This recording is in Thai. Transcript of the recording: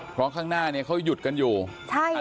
เพราะข้างหน้าเนี่ยเขาหยุดกันอยู่ใช่ค่ะ